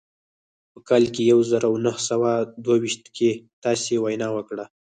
په کال يو زر و نهه سوه دوه ويشت کې تاسې وينا وکړه.